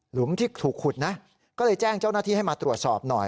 ที่ถูกขุดนะก็เลยแจ้งเจ้าหน้าที่ให้มาตรวจสอบหน่อย